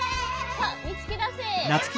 さあみつけだせ。